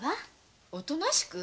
おとなしく？